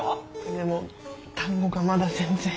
でも単語がまだ全然。